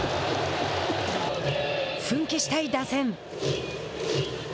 奮起したい打線。